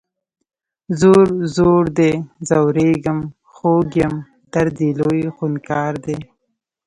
ځور، ځور دی ځوریږم خوږ یم درد یې لوی خونکار دی